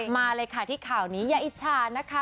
มาเลยค่ะที่ข่าวนี้อย่าอิจฉานะคะ